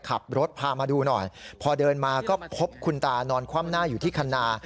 ขับรถพามาดูหน่อยพอเดินมาก็พบคุณตานอนคว่ำหน้าอยู่ที่คันนา